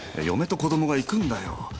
嫁と子供が行くんだよ。